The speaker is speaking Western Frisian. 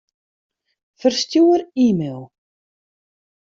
Ferstjoer e-mail.